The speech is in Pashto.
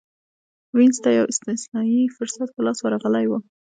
وینز ته یو استثنايي فرصت په لاس ورغلی و.